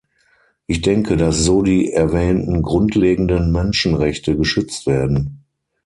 Ich denke, dass so die erwähnten grundlegenden Menschenrechte geschützt werden.